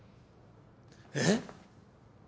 えっ！？